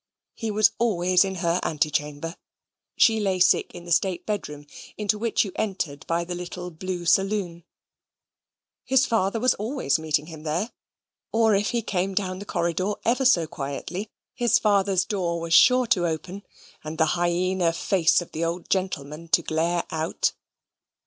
He was always in her antechamber. (She lay sick in the state bedroom, into which you entered by the little blue saloon.) His father was always meeting him there; or if he came down the corridor ever so quietly, his father's door was sure to open, and the hyena face of the old gentleman to glare out.